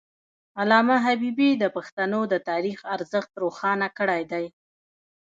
علامه حبيبي د پښتنو د تاریخ ارزښت روښانه کړی دی.